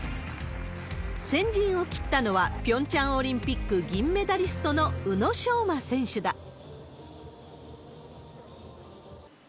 先陣を切ったのは、ピョンチャンオリンピック銀メダリストの宇野昌磨選手だ。